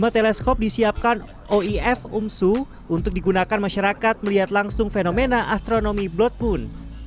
lima teleskop disiapkan oif umsu untuk digunakan masyarakat melihat langsung fenomena astronomi blood moon